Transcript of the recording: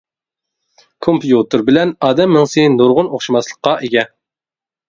كومپيۇتېر بىلەن ئادەم مېڭىسى نۇرغۇن ئوخشاشماسلىققا ئىگە.